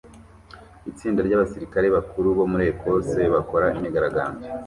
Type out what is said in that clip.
Itsinda ryabasirikare bakuru bo muri Ecosse bakora imyigaragambyo